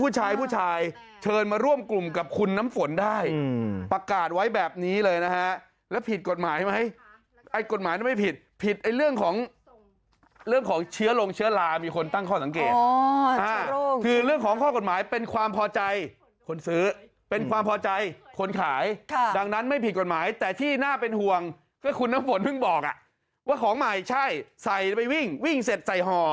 จุดผลเพิ่งบอกว่าของใหม่ใช่ใส่ไปวิ่งวิ่งเสร็จใส่ห่อ